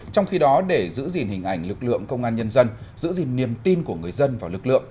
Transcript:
trong khi đó để giữ gìn hình ảnh lực lượng công an nhân dân giữ gìn niềm tin của người dân vào lực lượng